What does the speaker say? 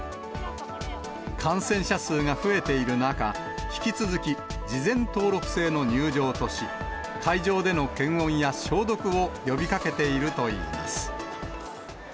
感染者数が増えている中、引き続き事前登録制の入場とし、会場での検温や消毒を呼びかけているといいます。